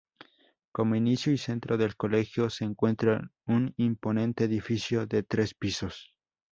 Como inicio y centro del colegio, se encuentra un imponente edificio de tres pisos.